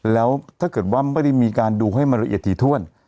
แล้วถ้าเกิดว่าไม่ได้มีการดูให้มันละเอียดถี่ถ้วน